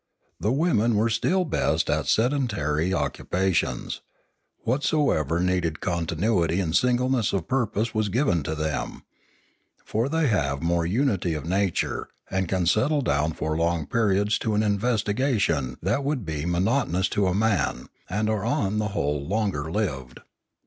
The women were still best at sedentary occupations; whatsoever needed con tinuity and singleness of purpose was given to them; for they have more unity of nature, and can settle down for long periods to an investigation that would be monotonous to a man, and are on the whole longer lived.